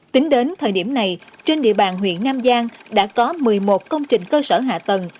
tính đến thời điểm này trên địa bàn huyện nam giang đã có một mươi một công trình cơ sở hạ tầng